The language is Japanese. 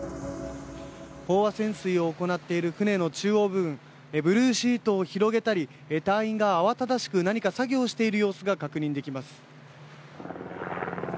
飽和潜水を行っている船の中央部分ブルーシートを広げたり隊員が慌ただしく何か作業している様子が確認できます。